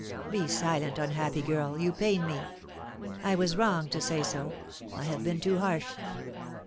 "Be silent, unhappy girl, you pain me. I was wrong to say so; I have been too harsh.